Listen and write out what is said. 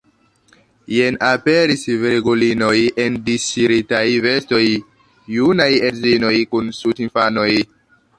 Jen aperis virgulinoj en disŝiritaj vestoj, junaj edzinoj kun suĉinfanoj.